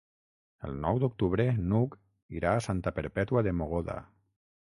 El nou d'octubre n'Hug irà a Santa Perpètua de Mogoda.